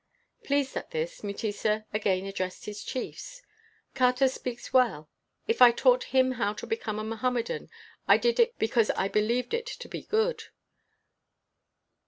Pleased at this, Mutesa again addressed his chiefs :" Kauta speaks well. If I taught him how to become a Mohammedan, I did it because I believed it to be good.